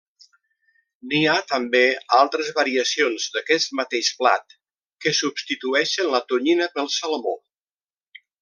N'hi ha també altres variacions d'aquest mateix plat que substitueixen la tonyina pel salmó.